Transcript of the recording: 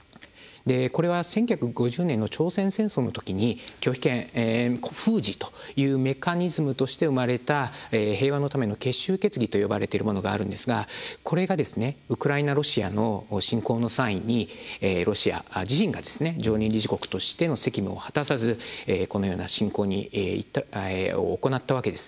これは１９５０年の朝鮮戦争の時に拒否権封じというメカニズムとして生まれた平和のための結集決議と呼ばれているものがあるんですがこれがウクライナロシアの侵攻の際にロシア自身が常任理事国としての責務を果たさずこのような侵攻を行ったわけです。